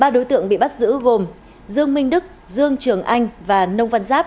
ba đối tượng bị bắt giữ gồm dương minh đức dương trường anh và nông văn giáp